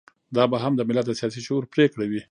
دا به هم د ملت د سياسي شعور پرېکړه وي.